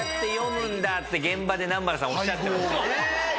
現場で南原さんおっしゃってました。